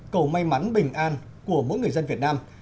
cầu may mắn bình an của mỗi người dân việt nam